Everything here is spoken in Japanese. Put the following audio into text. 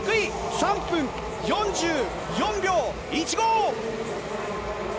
３分４４秒１５。